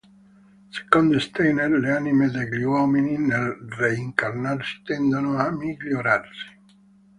Secondo Steiner le anime degli uomini, nel reincarnarsi, tendono a migliorarsi.